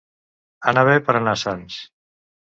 Anar bé per anar a Sants.